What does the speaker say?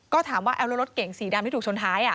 ก็ถามว่าเอาแล้วรถเก่งสีดำที่ถูกชนท้าย